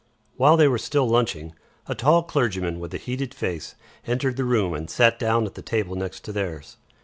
While they were still lunching, a tall clergyman, with a heated face, entered the room and sat down at the table next to theirs.